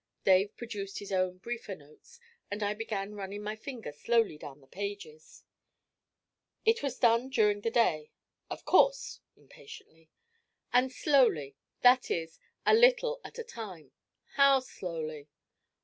Dave produced his own briefer notes, and I began running my finger slowly down the pages. 'It was done during the day.' 'Of course!' impatiently. 'And slowly that is, a little at a time.' 'How slowly?'